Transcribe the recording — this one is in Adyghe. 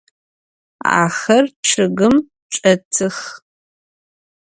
Axer ççıgım çç'etıx.